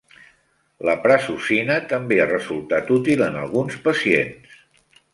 La prazosina també ha resultat útil en alguns pacients.